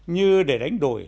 như để đánh đổi